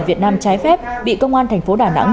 việt nam trái phép bị công an thành phố đà nẵng